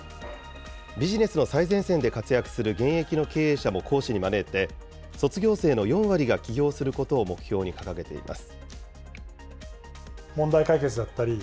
ビジネスの最前線で活躍する現役の経営者も講師に招いて卒業生の４割が起業することを目標に掲げています。